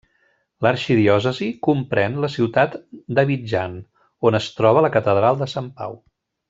L'arxidiòcesi comprèn la ciutat d'Abidjan, on es troba la catedral de Sant Pau.